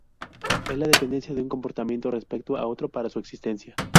Es la dependencia de un comportamiento respecto de otro para su existencia.